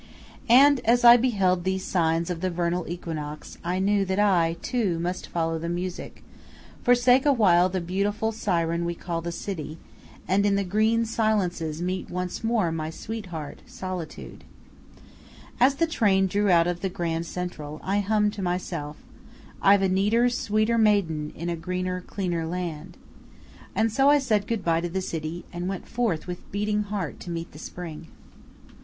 And as I beheld these signs of the vernal equinox I knew that I, too, must follow the music, forsake awhile the beautiful siren we call the city, and in the green silences meet once more my sweetheart Solitude. As the train drew out of the Grand Central, I hummed to myself, "I've a neater, sweeter maiden, in a greener, cleaner land" and so I said good by to the city, and went forth with beating heart to meet the spring.